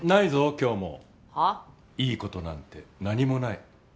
今日も。は？いいことなんて何もない。